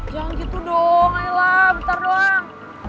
jangan gitu dong ayo lah bentar doang